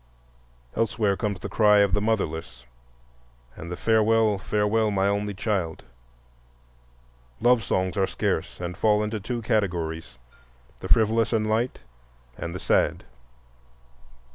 Elsewhere comes the cry of the "motherless" and the "Farewell, farewell, my only child." Love songs are scarce and fall into two categories—the frivolous and light, and the sad.